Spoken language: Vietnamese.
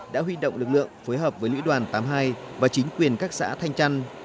đã huy động lực lượng phối hợp với lữ đoàn tám mươi hai và chính quyền các xã thanh trăn